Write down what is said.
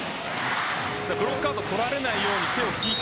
ブロックアウトを取られないように手を引いた。